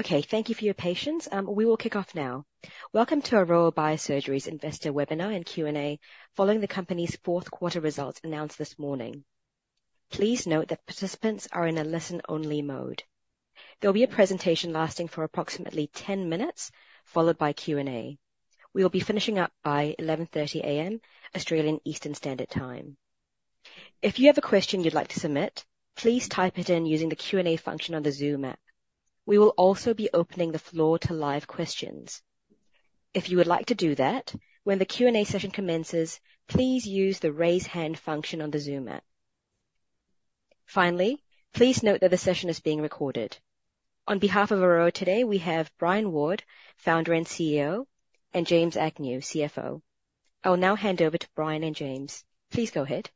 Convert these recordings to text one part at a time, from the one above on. Okay, thank you for your patience. We will kick off now. Welcome to Aroa Biosurgery's investor webinar and Q&A following the company's fourth-quarter results announced this morning. Please note that participants are in a listen-only mode. There'll be a presentation lasting for approximately 10 minutes, followed by Q&A. We'll be finishing up by 11:30 A.M. Australian Eastern Standard Time. If you have a question you'd like to submit, please type it in using the Q&A function on the Zoom app. We will also be opening the floor to live questions. If you would like to do that, when the Q&A session commences, please use the raise hand function on the Zoom app. Finally, please note that the session is being recorded. On behalf of Aroa today, we have Brian Ward, founder and CEO, and James Agnew, CFO. I'll now hand over to Brian and James. Please go ahead.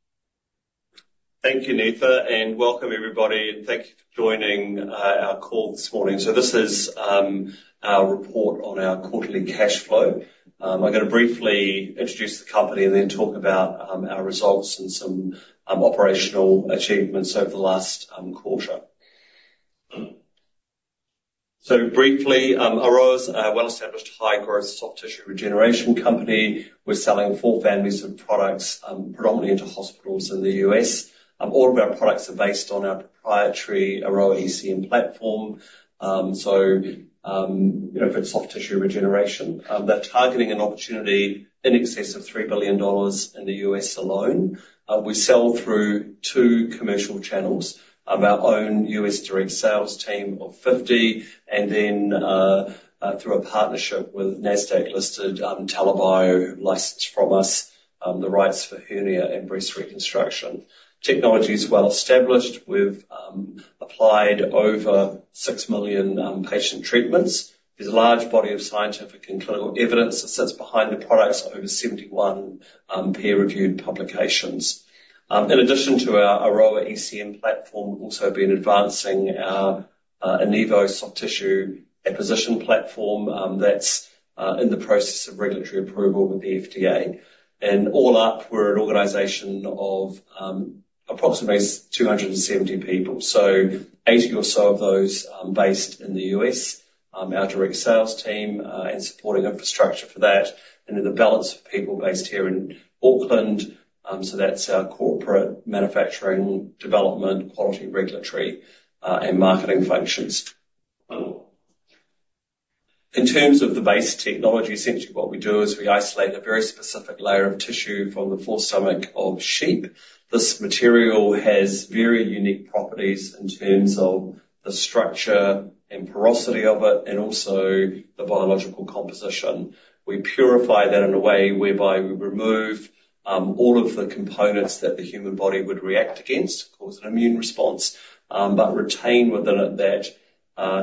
Thank you, Neetha, and welcome everybody, and thank you for joining our call this morning. So this is our report on our quarterly cash flow. I'm going to briefly introduce the company and then talk about our results and some operational achievements over the last quarter. So briefly, Aroa's a well-established high-growth soft tissue regeneration company. We're selling four families of products, predominantly into hospitals in the US. All of our products are based on our proprietary Aroa ECM platform, so you know, for soft tissue regeneration., They're targeting an opportunity in excess of $3 billion in the U.S. alone. We sell through two commercial channels: our own U.S. direct sales team of 50, and then through a partnership with NASDAQ-listed TELA Bio, who license from us the rights for hernia and breast reconstruction. Technology is well-established. We've applied over 6 million patient treatments. There's a large body of scientific and clinical evidence that sits behind the products on over 71 peer-reviewed publications. In addition to our Aroa ECM platform, we've also been advancing our Enivo soft tissue apposition platform, that's in the process of regulatory approval with the FDA. And all up, we're an organization of approximately 270 people, so 80 or so of those based in the U.S., our direct sales team and supporting infrastructure for that. And then the balance of people based here in Auckland, so that's our corporate, manufacturing, development, quality, regulatory, and marketing functions. In terms of the base technology, essentially what we do is we isolate a very specific layer of tissue from the forestomach of sheep. This material has very unique properties in terms of the structure and porosity of it and also the biological composition. We purify that in a way whereby we remove all of the components that the human body would react against, cause an immune response, but retain within it that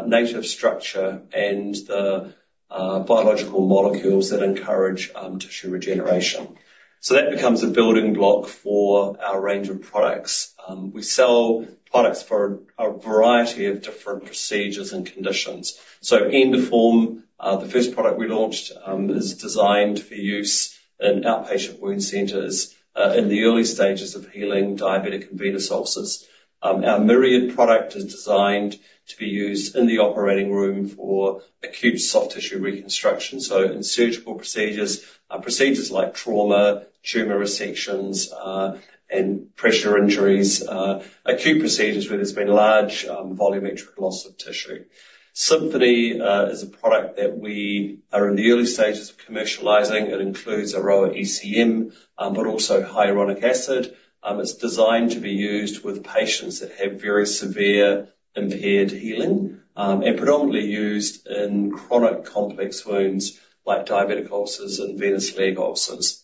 native structure and the biological molecules that encourage tissue regeneration. So that becomes a building block for our range of products. We sell products for a variety of different procedures and conditions. So Endoform, the first product we launched, is designed for use in outpatient wound centers, in the early stages of healing diabetic and venous ulcers. Our Myriad product is designed to be used in the operating room for acute soft tissue reconstruction, so in surgical procedures, procedures like trauma, tumor resections, and pressure injuries, acute procedures where there's been large volumetric loss of tissue. Symphony is a product that we are in the early stages of commercializing. It includes Aroa ECM, but also hyaluronic acid. It's designed to be used with patients that have very severe impaired healing, and predominantly used in chronic complex wounds like diabetic ulcers and venous leg ulcers.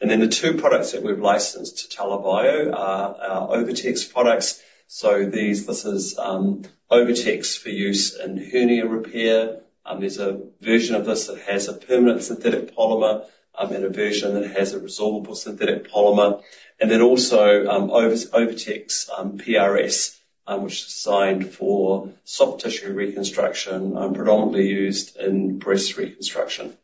And then the two products that we've licensed to TELA Bio are OviTex products. So this is OviTex for use in hernia repair. There's a version of this that has a permanent synthetic polymer, and a version that has a resorbable synthetic polymer. And then also OviTex PRS, which is designed for soft tissue reconstruction, predominantly used in breast reconstruction.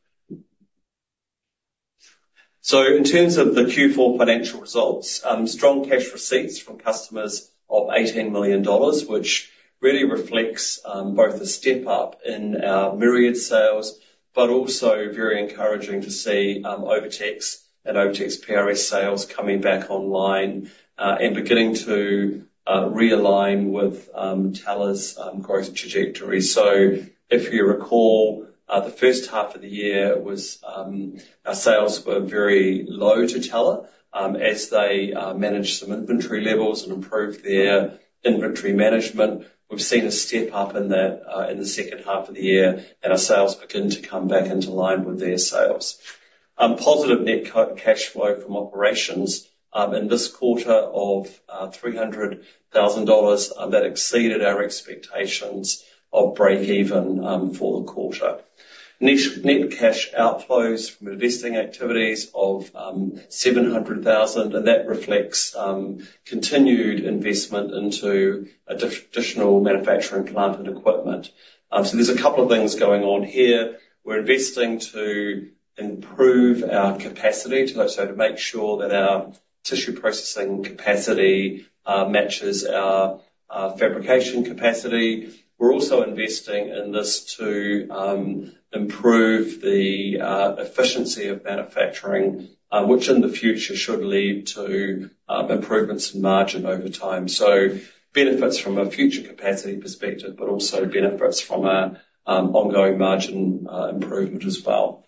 So in terms of the Q4 financial results, strong cash receipts from customers of $18 million, which really reflects both a step up in our Myriad sales but also very encouraging to see OviTex and OviTex PRS sales coming back online and beginning to realign with TELA's growth trajectory. So if you recall, the first half of the year was, our sales were very low to TELA, as they managed some inventory levels and improved their inventory management. We've seen a step up in that, in the second half of the year, and our sales begin to come back into line with their sales. Positive net cash flow from operations, in this quarter of $300,000, that exceeded our expectations of break-even, for the quarter. Net cash outflows from investing activities of $700,000, and that reflects continued investment into additional manufacturing plant and equipment. So there's a couple of things going on here. We're investing to improve our capacity, to make sure that our tissue processing capacity matches our fabrication capacity. We're also investing in this to improve the efficiency of manufacturing, which in the future should lead to improvements in margin over time. So benefits from a future capacity perspective, but also benefits from ongoing margin improvement as well.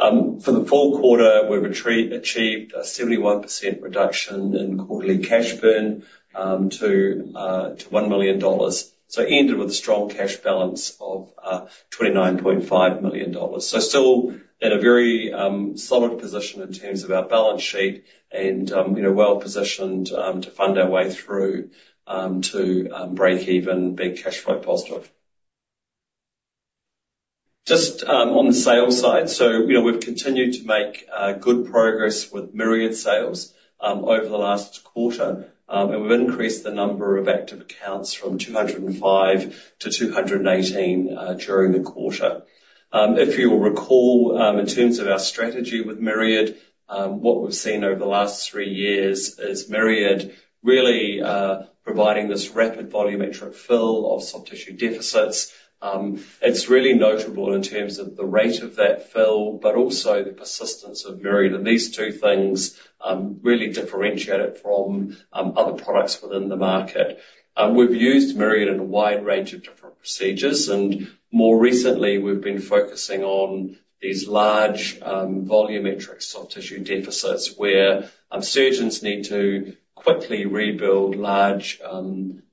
For the full quarter, we've achieved a 71% reduction in quarterly cash burn to $1 million, so ended with a strong cash balance of $29.5 million. So still in a very solid position in terms of our balance sheet and, you know, well-positioned to fund our way through to break-even, being cash flow positive. Just on the sales side, so, you know, we've continued to make good progress with Myriad sales over the last quarter, and we've increased the number of active accounts from 205 to 218 during the quarter. If you'll recall, in terms of our strategy with Myriad, what we've seen over the last three years is Myriad really providing this rapid volumetric fill of soft tissue deficits. It's really notable in terms of the rate of that fill but also the persistence of Myriad. These two things really differentiate it from other products within the market. We've used Myriad in a wide range of different procedures, and more recently, we've been focusing on these large volumetric soft tissue deficits where surgeons need to quickly rebuild large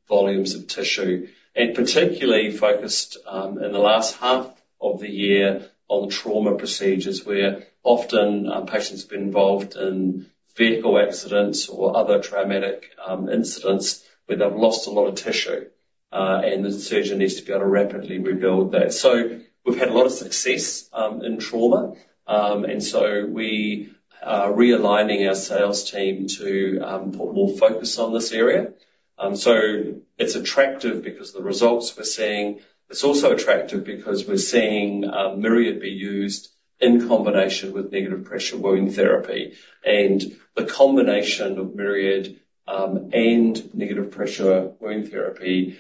volumes of tissue. Particularly focused in the last half of the year on trauma procedures, where often patients have been involved in vehicle accidents or other traumatic incidents where they've lost a lot of tissue, and the surgeon needs to be able to rapidly rebuild that. We've had a lot of success in trauma, and so we are realigning our sales team to put more focus on this area. It's attractive because of the results we're seeing. It's also attractive because we're seeing Myriad being used in combination with negative pressure wound therapy. The combination of Myriad and negative pressure wound therapy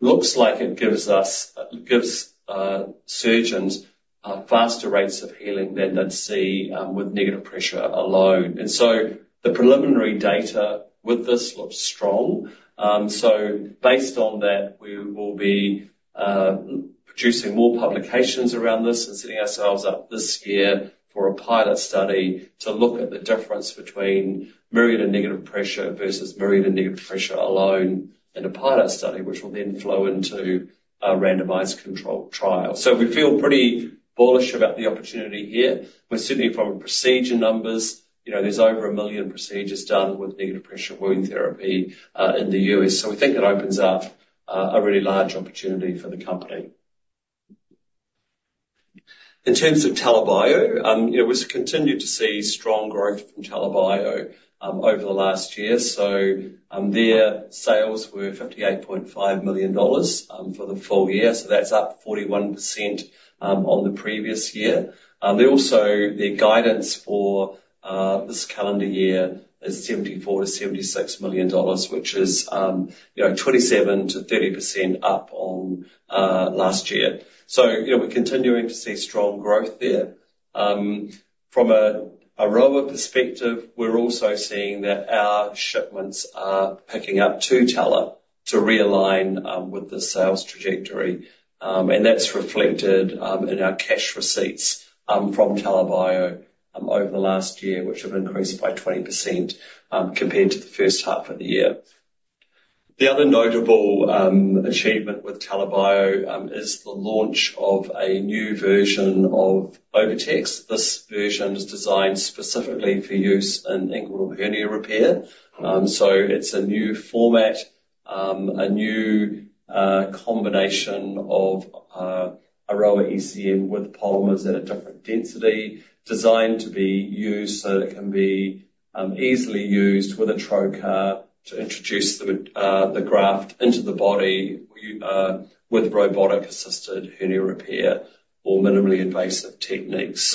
looks like it gives surgeons faster rates of healing than they'd see with negative pressure alone. So the preliminary data with this looks strong. Based on that, we will be producing more publications around this and setting ourselves up this year for a pilot study to look at the difference between Myriad and negative pressure versus Myriad and negative pressure alone in a pilot study, which will then flow into a randomized controlled trial. So we feel pretty bullish about the opportunity here. We're certainly from procedure numbers, you know, there's over 1 million procedures done with negative pressure wound therapy in the U.S. So we think it opens up a really large opportunity for the company. In terms of TELA Bio, you know, we've continued to see strong growth from TELA Bio, over the last year. So, their sales were $58.5 million for the full year, so that's up 41% on the previous year. They also their guidance for this calendar year is $74 million-$76 million, which is, you know, 27%-30% up on last year. So, you know, we're continuing to see strong growth there. From an Aroa perspective, we're also seeing that our shipments are picking up to TELA Bio to realign with the sales trajectory. And that's reflected in our cash receipts from TELA Bio over the last year, which have increased by 20% compared to the first half of the year. The other notable achievement with TELA Bio is the launch of a new version of OviTex. This version is designed specifically for use in inguinal hernia repair. It's a new format, a new combination of Aroa ECM with polymers at a different density, designed to be used so that it can be easily used with a trocar to introduce the graft into the body, with robotic-assisted hernia repair or minimally invasive techniques.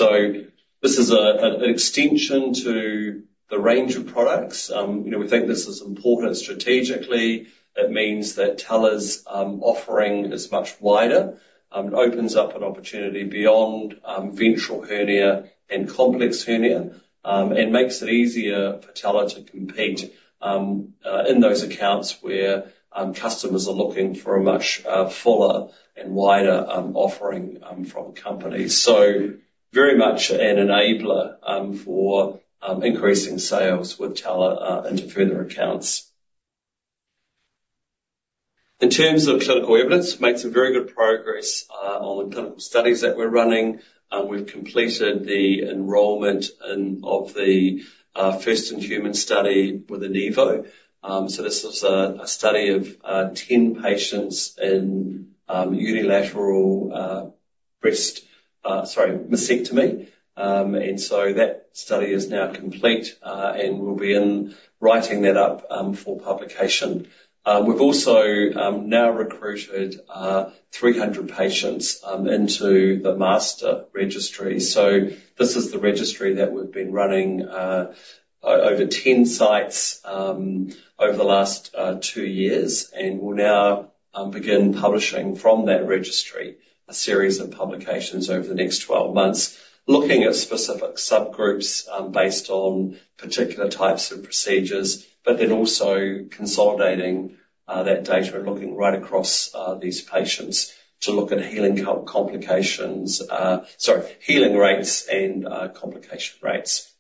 This is an extension to the range of products. You know, we think this is important strategically. It means that TELA's offering is much wider. It opens up an opportunity beyond ventral hernia and complex hernia, and makes it easier for TELA to compete in those accounts where customers are looking for a much fuller and wider offering from a company. Very much an enabler for increasing sales with TELA into further accounts. In terms of clinical evidence, it makes very good progress on the clinical studies that we're running. We've completed the enrolment in the first-in-human study with Enivo. So this is a study of 10 patients in unilateral breast, sorry, mastectomy. And so that study is now complete, and we'll be writing that up for publication. We've also now recruited 300 patients into the master registry. So this is the registry that we've been running over 10 sites over the last two years, and we'll now begin publishing from that registry a series of publications over the next 12 months, looking at specific subgroups based on particular types of procedures, but then also consolidating that data and looking right across these patients to look at healing complications, sorry, healing rates and complication rates.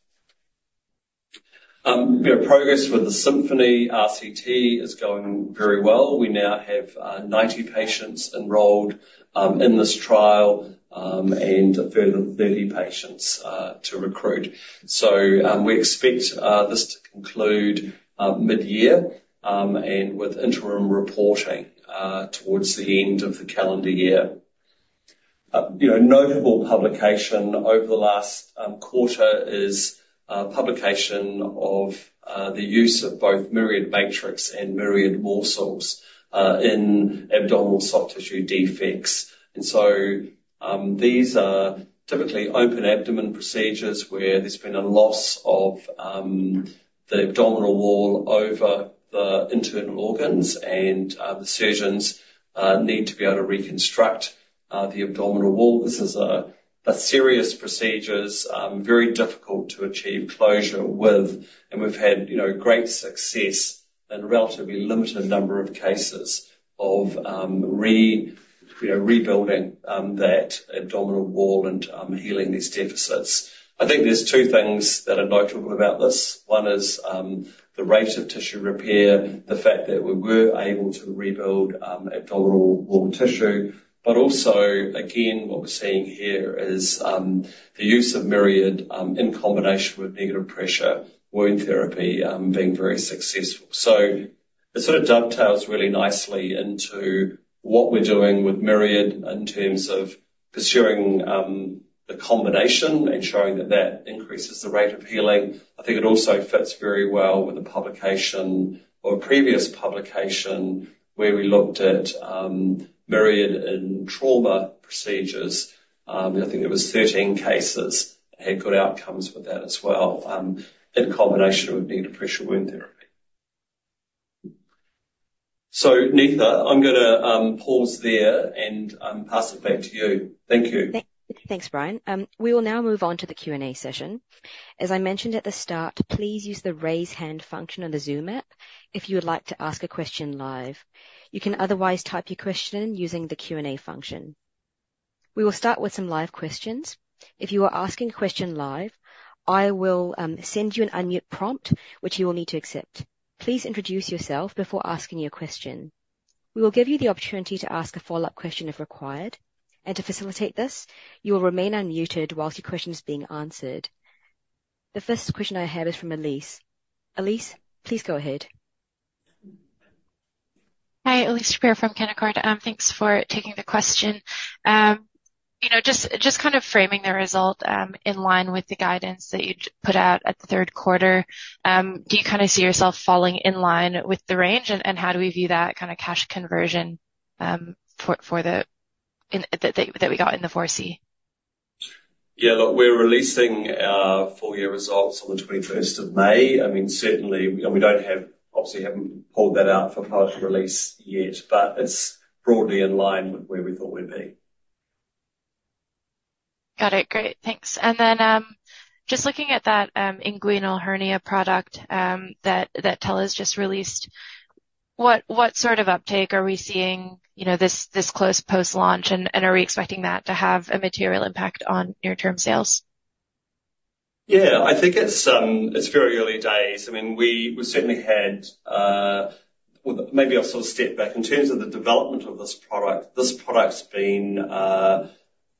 You know, progress with the Symphony RCT is going very well. We now have 90 patients enrolled in this trial, and further 30 patients to recruit. So, we expect this to conclude mid-year, and with interim reporting towards the end of the calendar year. You know, notable publication over the last quarter is publication of the use of both Myriad Matrix and Myriad Morcells in abdominal soft tissue defects. And so, these are typically open abdomen procedures where there's been a loss of the abdominal wall over the internal organs, and the surgeons need to be able to reconstruct the abdominal wall. This is a serious procedure, very difficult to achieve closure with, and we've had, you know, great success in a relatively limited number of cases of you know, rebuilding that abdominal wall and healing these deficits. I think there's two things that are notable about this. One is the rate of tissue repair, the fact that we were able to rebuild abdominal wall tissue. But also, again, what we're seeing here is the use of Myriad, in combination with negative pressure wound therapy, being very successful. So it sort of dovetails really nicely into what we're doing with Myriad in terms of pursuing the combination and showing that that increases the rate of healing. I think it also fits very well with a publication or a previous publication where we looked at Myriad in trauma procedures. I think there were 13 cases that had good outcomes with that as well, in combination with negative pressure wound therapy. So, Neetha, I'm going to pause there and pass it back to you. Thank you. Thanks, Brian. We will now move on to the Q&A session. As I mentioned at the start, please use the raise hand function on the Zoom app if you would like to ask a question live. You can otherwise type your question in using the Q&A function. We will start with some live questions. If you are asking a question live, I will send you an unmute prompt, which you will need to accept. Please introduce yourself before asking your question. We will give you the opportunity to ask a follow-up question if required. To facilitate this, you will remain unmuted while your question is being answered. The first question I have is from Elyse. Elyse, please go ahead. Hi, Elyse Shapiro from Canaccord. Thanks for taking the question. You know, just kind of framing the result in line with the guidance that you put out at the third quarter, do you kind of see yourself falling in line with the range, and how do we view that kind of cash conversion for the year in that we got in the FY? Yeah, look, we're releasing full-year results on the 21st of May. I mean, certainly, and we obviously haven't pulled that out for public release yet, but it's broadly in line with where we thought we'd be. Got it. Great. Thanks. And then, just looking at that inguinal hernia product that TELA's just released, what sort of uptake are we seeing, you know, this close post-launch, and are we expecting that to have a material impact on near-term sales? Yeah, I think it's very early days. I mean, we've certainly had, well, maybe I'll sort of step back. In terms of the development of this product, this product's been, you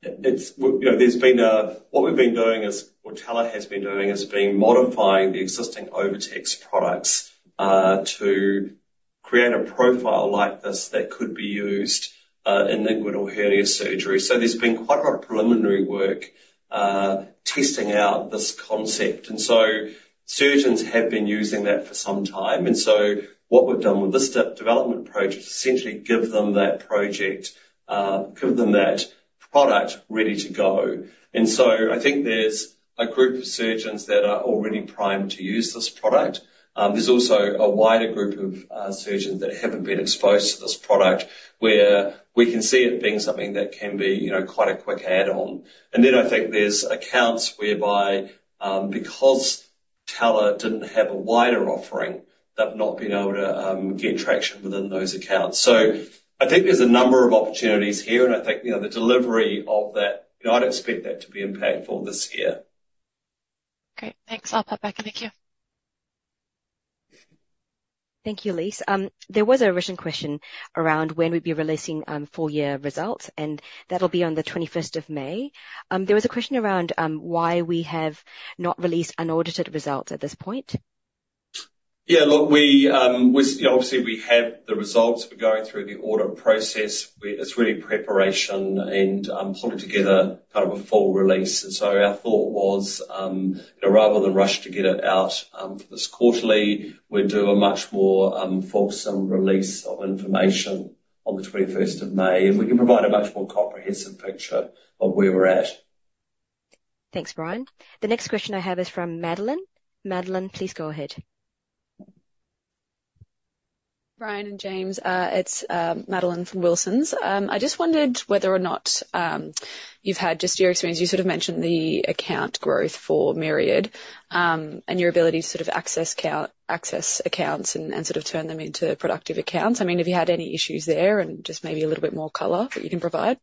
know, what we've been doing is what TELA has been doing is modifying the existing OviTex products, to create a profile like this that could be used in inguinal hernia surgery. So there's been quite a lot of preliminary work, testing out this concept. And so surgeons have been using that for some time. And so what we've done with this development approach is essentially give them that project, give them that product ready to go. And so I think there's a group of surgeons that are already primed to use this product. There's also a wider group of surgeons that haven't been exposed to this product where we can see it being something that can be, you know, quite a quick add-on. And then I think there's accounts whereby, because TELA didn't have a wider offering, they've not been able to get traction within those accounts. So I think there's a number of opportunities here, and I think, you know, the delivery of that, you know, I'd expect that to be impactful this year. Great. Thanks. I'll pop back in. Thank you. Thank you, Elyse. There was a recent question around when we'd be releasing full-year results, and that'll be on the 21st of May. There was a question around why we have not released unaudited results at this point. Yeah, look, we're, you know, obviously we have the results. We're going through the audit process. It's really preparation and pulling together kind of a full release. And so our thought was, you know, rather than rush to get it out, for this quarterly, we'd do a much more focused release of information on the 21st of May, and we can provide a much more comprehensive picture of where we're at. Thanks, Brian. The next question I have is from Madeline. Madeleine, please go ahead. Brian and James, it's Madeline from Wilsons. I just wondered whether or not you've had just your experience. You sort of mentioned the account growth for Myriad, and your ability to sort of access accounts and sort of turn them into productive accounts. I mean, have you had any issues there and just maybe a little bit more color that you can provide?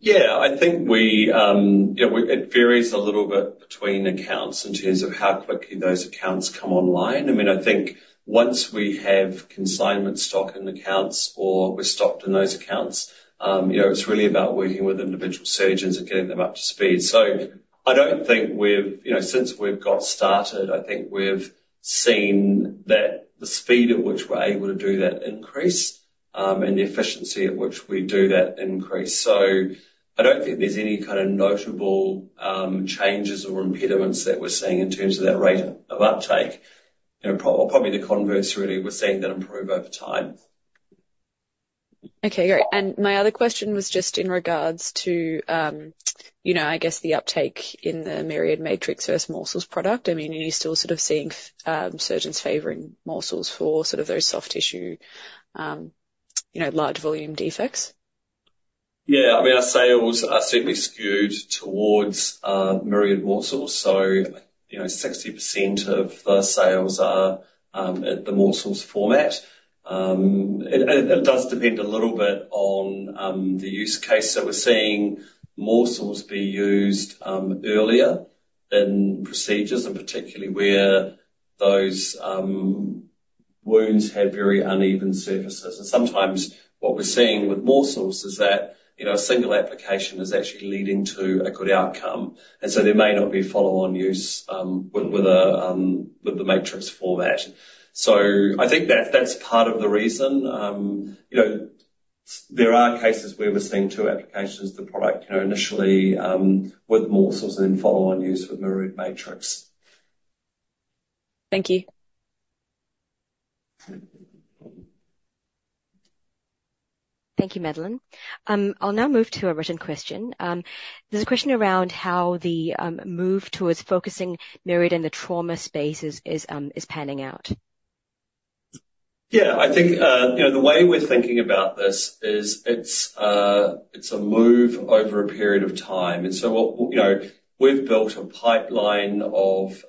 Yeah, I think you know, it varies a little bit between accounts in terms of how quickly those accounts come online. I mean, I think once we have consignment stock in accounts or we're stocked in those accounts, you know, it's really about working with individual surgeons and getting them up to speed. So I don't think we've you know, since we've got started, I think we've seen that the speed at which we're able to do that increase, and the efficiency at which we do that increase. So I don't think there's any kind of notable changes or impediments that we're seeing in terms of that rate of uptake. You know, probably the converse, really, we're seeing that improve over time. Okay. Great. And my other question was just in regards to, you know, I guess the uptake in the Myriad Matrix versus Morcells product. I mean, are you still sort of seeing surgeons favoring Morcells for sort of those soft tissue, you know, large volume defects? Yeah, I mean, our sales are certainly skewed towards Myriad Morcells. So, you know, 60% of the sales are at the Morcells format. It does depend a little bit on the use case. So we're seeing Morcells be used earlier in procedures, and particularly where those wounds have very uneven surfaces. And sometimes what we're seeing with Morcells is that, you know, a single application is actually leading to a good outcome, and so there may not be follow-on use with the Myriad Matrix format. So I think that's part of the reason. You know, there are cases where we're seeing two applications the product, you know, initially with Morcells and then follow-on use with Myriad Matrix. Thank you. Thank you, Madeline. I'll now move to a written question. There's a question around how the move towards focusing Myriad in the trauma space is panning out. Yeah, I think, you know, the way we're thinking about this is it's a move over a period of time. And so, you know, we've built a pipeline of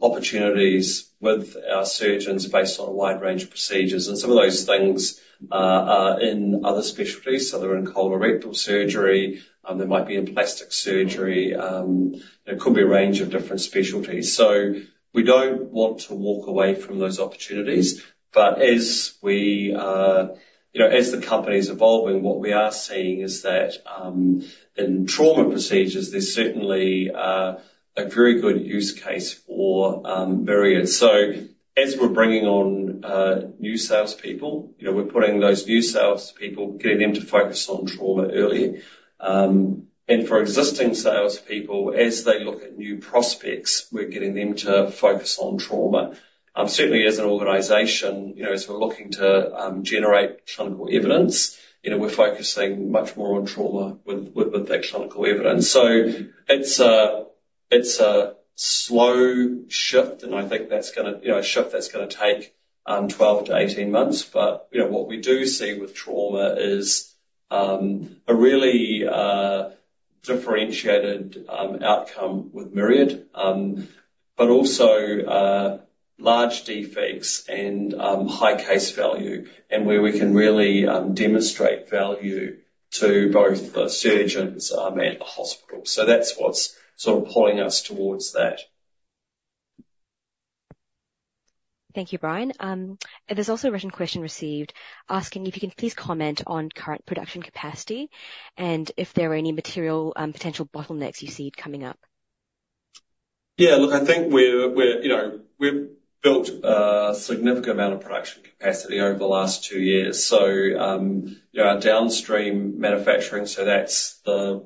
opportunities with our surgeons based on a wide range of procedures. And some of those things are in other specialties. So they're in colorectal surgery. They might be in plastic surgery. You know, it could be a range of different specialties. So we don't want to walk away from those opportunities. But as we, you know, as the company's evolving, what we are seeing is that in trauma procedures, there's certainly a very good use case for Myriad. So as we're bringing on new salespeople, you know, we're putting those new salespeople getting them to focus on trauma earlier. For existing salespeople, as they look at new prospects, we're getting them to focus on trauma. Certainly as an organization, you know, as we're looking to generate clinical evidence, you know, we're focusing much more on trauma with that clinical evidence. So it's a slow shift, and I think that's going to, you know, a shift that's going to take 12-18 months. But you know, what we do see with trauma is a really differentiated outcome with Myriad, but also large defects and high case value, and where we can really demonstrate value to both the surgeons and the hospital. So that's what's sort of pulling us towards that. Thank you, Brian. There's also a written question received asking if you can please comment on current production capacity and if there are any material potential bottlenecks you see coming up. Yeah, look, I think we're you know, we've built a significant amount of production capacity over the last 2 years. So, you know, our downstream manufacturing so that's the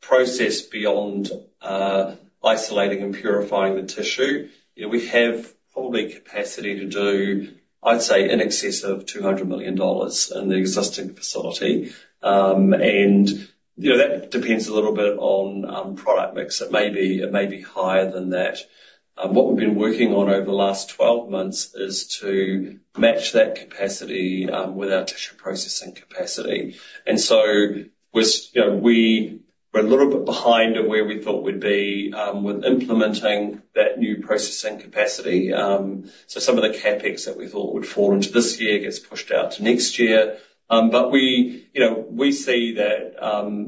process beyond isolating and purifying the tissue. You know, we have probably capacity to do, I'd say, in excess of $200 million in the existing facility. And, you know, that depends a little bit on product mix. It may be higher than that. What we've been working on over the last 12 months is to match that capacity with our tissue processing capacity. And so we're you know, we're a little bit behind of where we thought we'd be with implementing that new processing capacity. So some of the CapEx that we thought would fall into this year gets pushed out to next year. But we, you know, we see that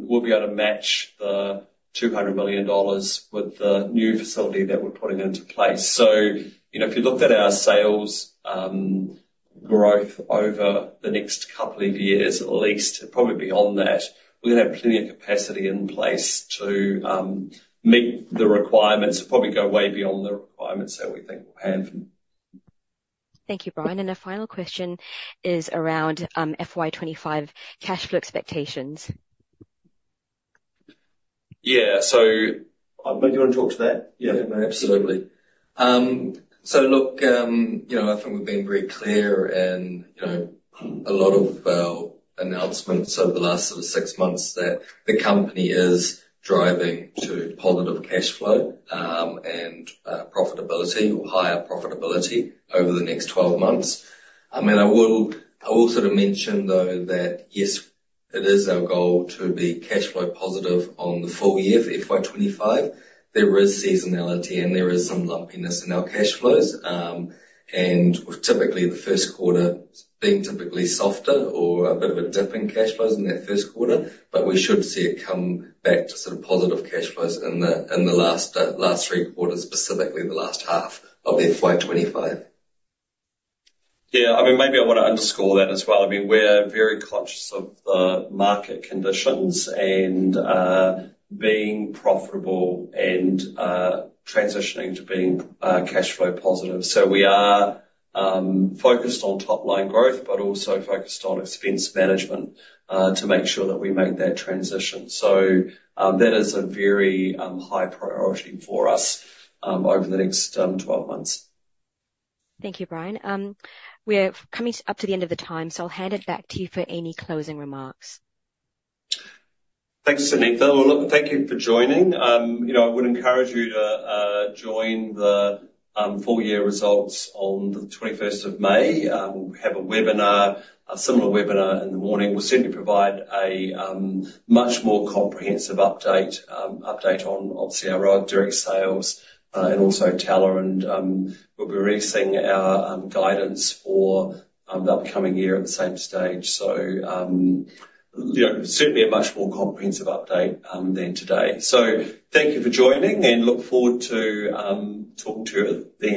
we'll be able to match the $200 million with the new facility that we're putting into place. So, you know, if you looked at our sales growth over the next couple of years, at least probably beyond that, we're going to have plenty of capacity in place to meet the requirements or probably go way beyond the requirements that we think we'll have. Thank you, Brian. And a final question is around FY 2025 cash flow expectations. Yeah, so I might you want to talk to that? Yeah, absolutely. So look, you know, I think we've been very clear in, you know, a lot of our announcements over the last sort of six months that the company is driving to positive cash flow, and profitability or higher profitability over the next 12 months. I mean, I will sort of mention, though, that yes, it is our goal to be cash flow positive on the full year for FY 2025. There is seasonality, and there is some lumpiness in our cash flows. Typically, the first quarter's being typically softer or a bit of a dip in cash flows in that first quarter, but we should see it come back to sort of positive cash flows in the last three quarters, specifically the last half of FY 2025. Yeah, I mean, maybe I want to underscore that as well. I mean, we're very conscious of the market conditions and, being profitable and, transitioning to being, cash flow positive. So we are, focused on top-line growth but also focused on expense management, to make sure that we make that transition. So, that is a very high priority for us over the next 12 months. Thank you, Brian. We're coming up to the end of the time, so I'll hand it back to you for any closing remarks. Thanks, Neetha. Well, look, thank you for joining. You know, I would encourage you to join the full-year results on the 21st of May. We'll have a webinar, a similar webinar in the morning. We'll certainly provide a much more comprehensive update on obviously our direct sales, and also TELA. And we'll be releasing our guidance for the upcoming year at the same stage. So, you know, certainly a much more comprehensive update than today. So thank you for joining, and look forward to talking to you at the end.